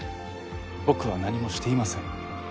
僕は何もしていません。